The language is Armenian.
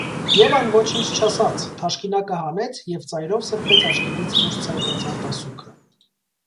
Եվան ոչինչ չասաց, թաշկինակը հանեց և ծայրով սրբեց աչքերից դուրս ցայտած արտասուքը: